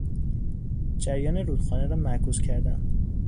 جریان رودخانه را معکوس کردن